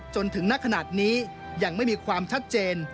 จนถึงนักขนาดนี้ยังไม่มีความชัดเจน